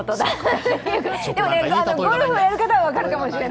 でも、ゴルフをやる方は分かるかもしれない。